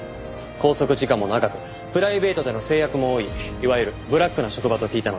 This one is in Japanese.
拘束時間も長くプライベートでの制約も多いいわゆるブラックな職場と聞いたので。